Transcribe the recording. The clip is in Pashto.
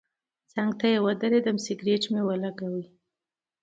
څنګ ته یې ودرېدم سګرټ مې ولګاوه.